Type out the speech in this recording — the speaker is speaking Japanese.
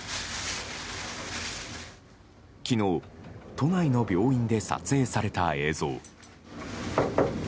昨日、都内の病院で撮影された映像。